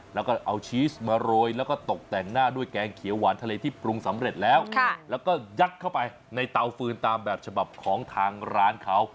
แล้วก็เอาชีสมาโรยแล้วก็ตกแต่งหน้าด้วยแกงเขียวหวานทะเลที่ปรุงสำเร็จแล้วแล้วก็ยัดเข้าไปในเตาฟืนตามแบบฉบับของทางร้านเขา